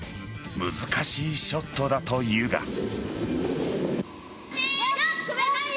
難しいショットだというが。